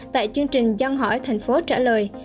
tại chương trình dân hỏi tp trả lời